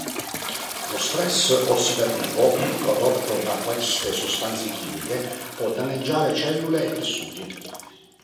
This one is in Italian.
Lo stress ossidativo prodotto da queste sostanze chimiche può danneggiare cellule e tessuti.